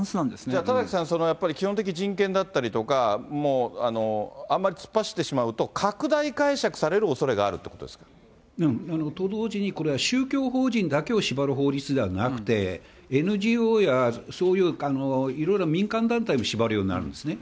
じゃあ、田崎さん、基本的人権だったりとか、あんまり突っ走ってしまうと、拡大解釈されるおそれがあるというと同時に、これは宗教法人だけを縛る法律ではなくて、ＮＧＯやそういう、いろいろ民間団体も縛るようになるんですね。